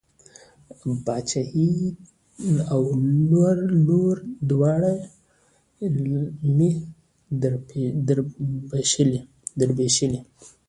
پاچهي او لور دواړه مې در بښلې.